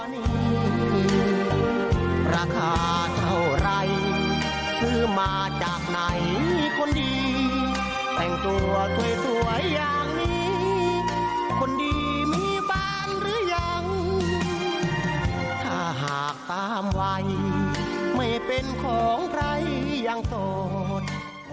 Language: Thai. มีบ้านหรือยังถ้าหากตามไว้ไม่เป็นของใครยังโตด